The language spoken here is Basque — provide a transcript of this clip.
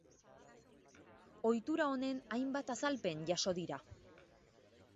Ohitura honen hainbat azalpen jaso dira.